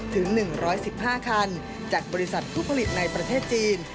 ถึง๑๑๕คันจากบริษัทผู้ผลิตในประเทศจีน